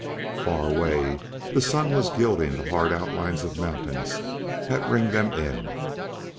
Far away the Sun was gilding the hard outlines of mountains that ringed them in.